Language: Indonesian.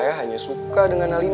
kau punya hati enggak sama dia